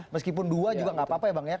meskipun dua juga nggak apa apa ya bang ya